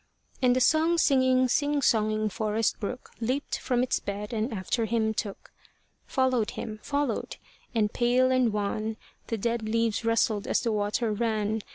And the song singing, sing songing forest brook Leaped from its bed and after him took, Followed him, followed. And pale and wan, The dead leaves rustled as the water ran.